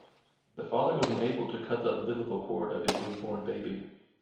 The father was unable to cut the umbilical cord of his newborn baby.